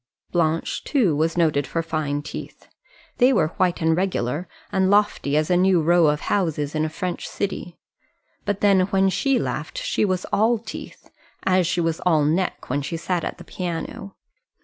Blanche, too, was noted for fine teeth. They were white and regular and lofty as a new row of houses in a French city. But then when she laughed she was all teeth; as she was all neck when she sat at the piano.